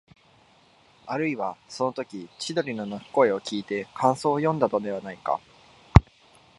あるいは、そのとき千鳥の鳴く声をきいて感想をよんだのではないか、